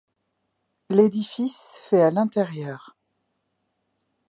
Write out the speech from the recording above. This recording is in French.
L'édifice fait à l'intérieur.